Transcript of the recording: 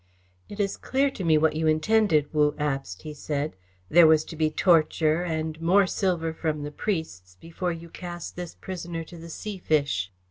"It is clear to me what you intended, Wu Abst," he said. "There was to be torture and more silver from the priests before you cast this prisoner to the sea fish."